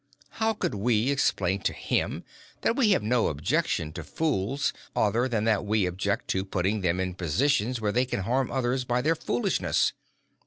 How could we explain to him that we have no objection to fools other than that we object to putting them in positions where they can harm others by their foolishness?